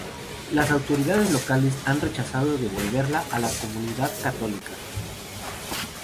Las autoridades locales han rechazado devolverla a la comunidad católica.